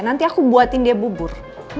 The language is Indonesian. nanti aku buatin dia bubur